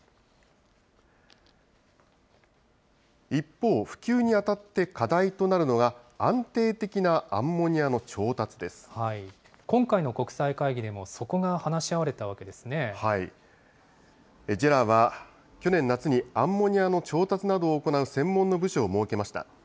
一方、普及にあたって課題となるのが安定的なアンモニアの調達で今回の国際会議でも、そこがＪＥＲＡは去年夏にアンモニアの調達などを行う専門の部署を設けました。